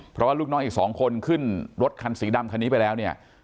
เพราะว่าลูกน้องอีก๒คนขึ้นรถคันสีดำคันนี้ไปแล้วเนี่ย